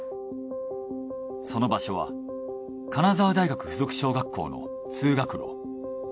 その場所は金沢大学附属小学校の通学路。